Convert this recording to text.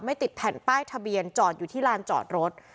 ติดแผ่นป้ายทะเบียนจอดอยู่ที่ลานจอดรถ